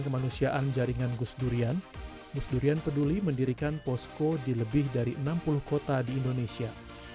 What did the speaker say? kemanusiaan jaringan gus durian gus durian peduli mendirikan posko di lebih dari enam puluh kota di indonesia